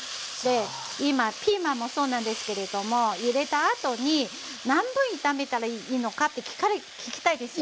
今ピーマンもそうなんですけれども入れたあとに何分炒めたらいいのかって聞きたいですよね？